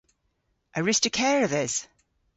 A wruss'ta kerdhes?